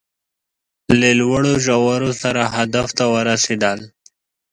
له لوړو ژورو سره هدف ته ورسېدل